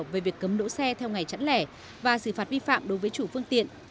về việc cấm đỗ xe theo ngày chẵn lẻ và xử phạt vi phạm đối với chủ phương tiện